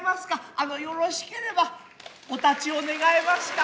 あのよろしければお立ちを願えますか。